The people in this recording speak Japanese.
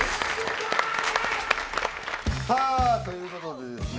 さあということでですね